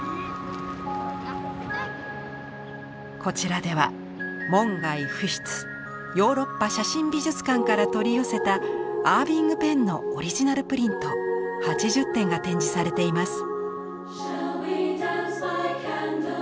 こちらでは門外不出ヨーロッパ写真美術館から取り寄せたアーヴィング・ペンのオリジナルプリント８０点が展示されています。